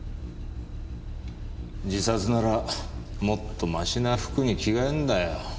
自殺ならもっとマシな服に着替えんだよ。